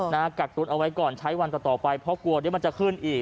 เออกักต้นเอาไว้ก่อนใช้วันต่อไปเพราะกลัวมันจะขึ้นอีก